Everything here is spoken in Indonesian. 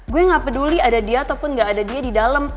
gue gak peduli ada dia ataupun gak ada dia di dalam